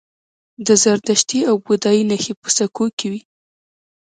د زردشتي او بودايي نښې په سکو وې